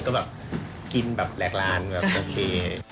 ก็แบบกินแบบแหลกร้านแบบโอเค